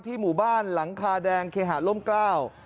หมู่บ้านหลังคาแดงเคหาร่มกล้า